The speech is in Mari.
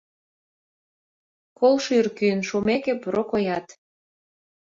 Кол шӱр кӱын шумеке, Прокоят: